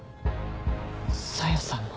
小夜さんの？